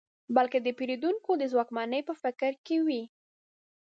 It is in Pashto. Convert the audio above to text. بلکې د پېرودونکو د ځواکمنۍ په فکر کې وي.